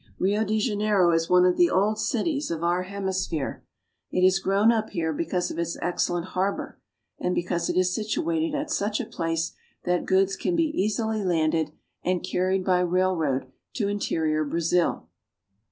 Rio de Janeiro is one of the old cities of our hemisphere. It has grown up here because of its excellent harbor, and because it is situated at such a place that goods can be easily landed and carried by railroad to interior Brazil.